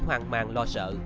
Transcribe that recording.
hoàng mang lo sợ